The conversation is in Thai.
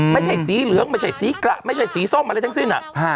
ไม่ใช่สีเหลืองไม่ใช่สีกระไม่ใช่สีส้มอะไรทั้งสิ้น